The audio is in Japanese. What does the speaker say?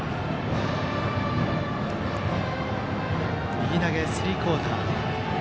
右投げスリークオーター。